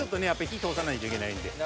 火通さないといけないんで。